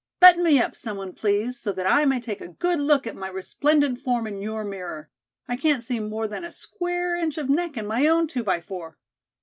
Button me up, someone, please, so that I may take a good look at my resplendent form in your mirror. I can't see more than a square inch of neck in my own two by four."